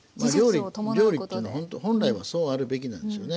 料理っていうのは本来はそうあるべきなんですよね。